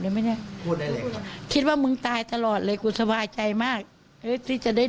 เลยมั้ยเนี้ยคิดว่ามึงตายตลอดเลยกูสบายใจมากจะได้